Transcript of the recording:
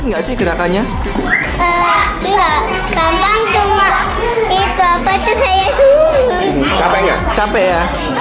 capek gak capek ya